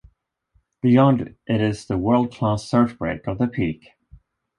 Beyond it is the world-class surf break of The Peak.